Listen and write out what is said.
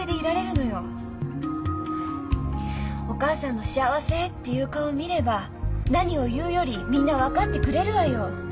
お母さんの「幸せ！」っていう顔を見れば何を言うよりみんな分かってくれるわよ！